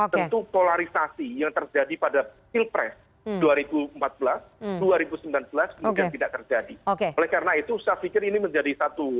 tentu polarisasi yang terjadi pada pilpres dua ribu empat belas dua ribu sembilan belas juga tidak terjadi